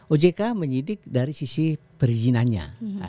ojk menyidik dari sisi perizinannya